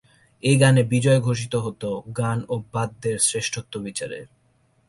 এ গানে বিজয় ঘোষিত হতো গান ও বাদ্যের শ্রেষ্ঠত্ব বিচারে।